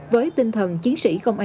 với tinh thần chiến sĩ công an